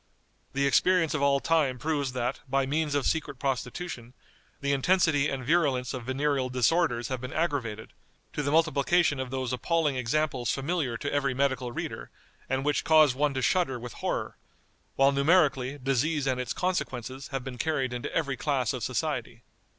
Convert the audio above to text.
The experience of all time proves that, by means of secret prostitution, the intensity and virulence of venereal disorders have been aggravated, to the multiplication of those appalling examples familiar to every medical reader, and which cause one to shudder with horror; while numerically, disease and its consequences have been carried into every class of society.